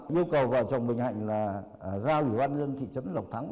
nhu cầu vào chồng bình hạnh ra ủy ban dân thị trấn lộc thắng